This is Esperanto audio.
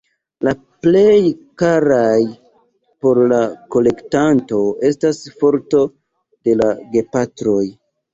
La plej karaj por la kolektanto estas forko de la gepatroj.